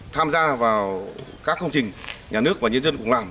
tham gia vào các công trình nhà nước và nhân dân cũng làm